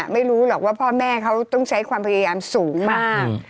ไม่รู้หรอกว่าพ่อแม่เขาต้องใช้ความพยายามสูงมาก